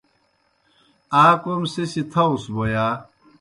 آ کوْم سہ سیْ تھاؤس بوْ یا؟